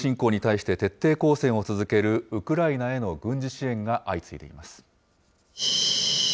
ロシアの軍事侵攻に対して、徹底抗戦を続けるウクライナへの軍事支援が相次いでいます。